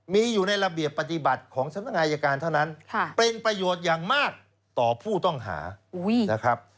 มีอยู่ในระเบียบปฏิบัติของสำนักงานอายการเท่านั้นเป็นประโยชน์อย่างมากต่อผู้ต้องหานะครับ